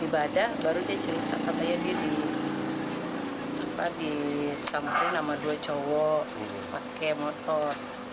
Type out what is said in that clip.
baru dia cerita katanya dia disamping sama dua cowok pake motor